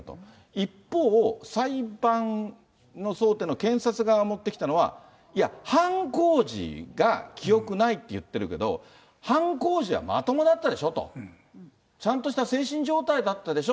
一方、裁判の争点に検察側が持ってきたのは、いや、犯行時が記憶ないって言ってるけど、犯行時はまともだったでしょと。ちゃんとした精神状態だったでしょ。